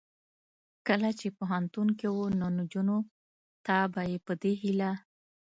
کله چې پوهنتون کې و نو نجونو ته به یې په دې هیله